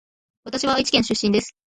わたしは愛知県出身です